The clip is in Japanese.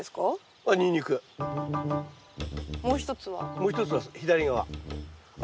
もう一つは左側。